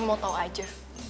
mau tau aja